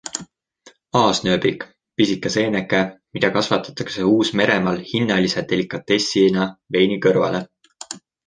Aasnööbik, pisike seeneke, mida kasvatatakse Uus-Meremaal hinnalise delikatessina veini kõrvale.